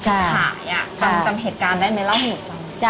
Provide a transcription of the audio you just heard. ใช่ใช่จำเหตุการณ์ได้ไหมเล่าให้หนูจำ